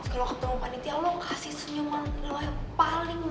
kalau ketemu panitia lo kasih senyuman lo yang paling lo